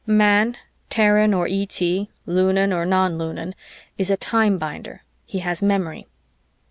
Man (Terran or ET, Lunan or non Lunan) is a time binder he has memory.